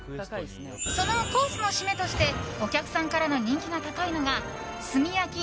そのコースの締めとしてお客さんからの人気が高いのが炭焼